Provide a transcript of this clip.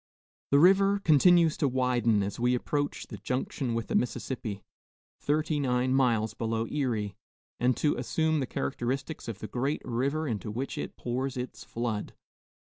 The river continues to widen as we approach the junction with the Mississippi, thirty nine miles below Erie, and to assume the characteristics of the great river into which it pours its flood.